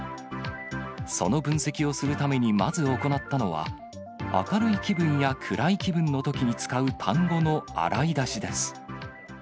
その分析をするためにまず行ったのは、明るい気分や暗い気分のときに使う単語の洗い出しです。